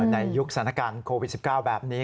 ยุคสถานการณ์โควิด๑๙แบบนี้